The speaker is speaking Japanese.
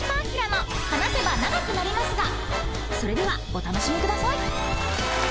［それではお楽しみください］